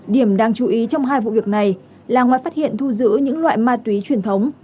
điểm đáng chú ý trong hai vụ việc này là ngoài phát hiện thu giữ những loại ma túy truyền thống